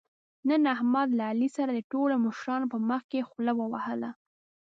نن احمد له علي سره د ټولو مشرانو په مخکې خوله ووهله.